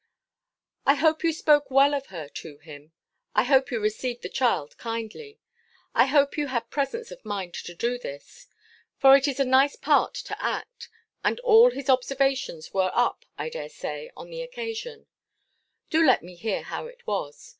I hope you spoke well of her to him I hope you received the child kindly I hope you had presence of mind to do this For it is a nice part to act; and all his observations were up, I dare say, on the occasion Do let me hear how it was.